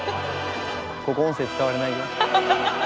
ここ音声使われないよ。ハハハ。